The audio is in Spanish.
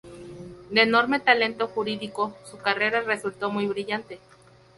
De enorme talento jurídico, su carrera resultó muy brillante.